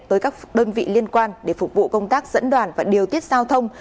tới các đơn vị liên quan để phục vụ công tác dẫn đoàn và điều tiết giao thông